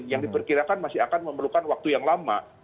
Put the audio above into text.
yang diperkirakan masih akan memerlukan waktu yang lama